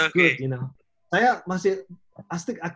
sekarang ada media sosial instagram